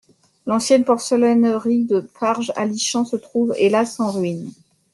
L'ancienne porcelainerie de Farges-Allichamps se trouve, hélas, en ruines.